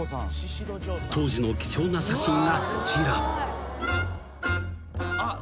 ［当時の貴重な写真がこちら］